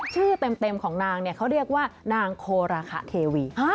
ชื่อเต็มของนางเนี่ยเขาเรียกว่านางโคราคาเทวี